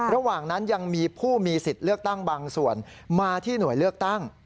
ระหว่างนั้นยังมีผู้มีสิทธิ์เลือกตั้งบางส่วนมาที่หน่วยเลือกตั้ง